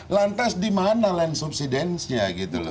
lantas di mana subsidencenya gitu lho